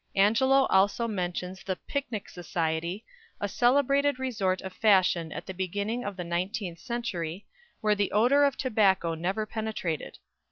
Angelo also mentions the "Picnic Society," a celebrated resort of fashion at the beginning of the nineteenth century, where the odour of tobacco never penetrated.